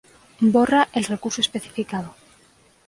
Borra el recurso especificado.